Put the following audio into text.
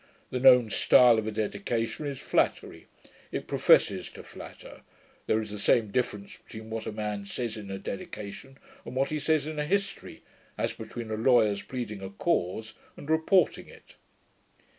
The known style of a dedication is flattery: it professes to flatter. There is the same difference between what a man says in a dedication, and what he says in a history, as between a lawyer's pleading a cause, and reporting it.'